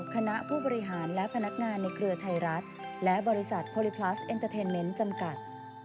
คณะผู้บริหารและพนักงานในเครือไทยรัฐและบริษัทโพลิพลัสเอ็นเตอร์เทนเมนต์จำกัด